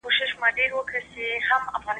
موږ به عدالت پلي کړی وي.